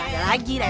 ya gak ada lagi